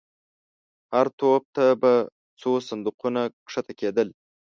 هر توپ ته به څو صندوقونه کښته کېدل.